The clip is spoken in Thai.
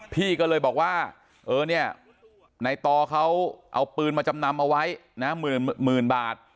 พี่ก็เลยบอกว่าเออเนี่ยในต่อเขาเอาปืนมาจำนำเอาไว้นะหมื่นบาท